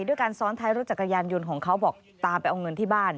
ด้วยการซ้อนท้ายรถจักรยานยนต์ของเขาบอกตามไปเอาเงินที่บ้าน